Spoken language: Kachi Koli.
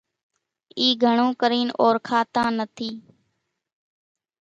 اِي گھڻون ڪرينَ اورکاتان نٿِي۔